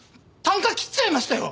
啖呵切っちゃいましたよ！